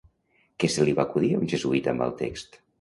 Què se li va acudir a un jesuïta amb el text?